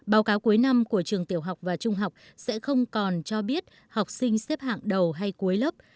báo cáo cuối năm của trường tiểu học và trung học sẽ không còn cho biết học sinh xếp hạng đầu hay cuối lớp